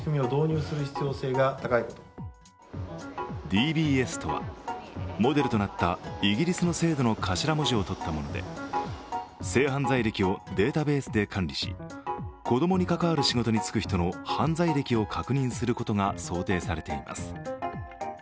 ＤＢＳはモデルとなったイギリスの制度の頭文字を取ったもので性犯罪歴をデータベースで管理し、子どもに関わる仕事に就く人の犯罪歴を確認することが想定されています。